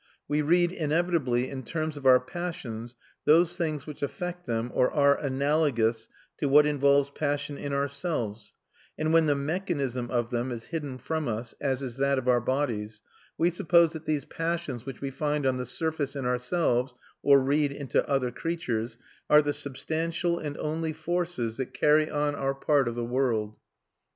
We read inevitably in terms of our passions those things which affect them or are analogous to what involves passion in ourselves; and when the mechanism of them is hidden from us, as is that of our bodies, we suppose that these passions which we find on the surface in ourselves, or read into other creatures, are the substantial and only forces that carry on our part of the world.